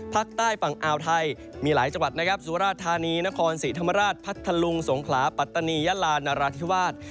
ภาคใต้ฝั่งอ่าวไทยมีหลายจังหวัดนะครับสุราธานีนครศรีธรรมราชพัทธลุงสงขลาปัตตานียะลานราธิวาส